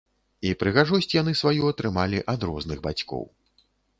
І прыгажосць яны сваю атрымалі ад розных бацькоў.